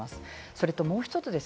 それともう１つ。